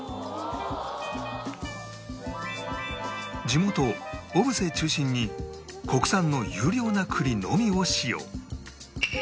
地元小布施中心に国産の優良な栗のみを使用